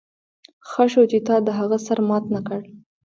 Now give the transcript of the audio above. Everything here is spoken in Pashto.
ښه شو چې تا د هغه سر مات نه کړ